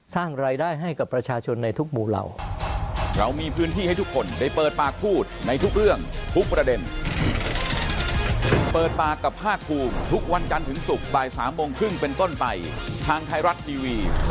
สร้างรายได้ให้กับประชาชนในทุกบูราว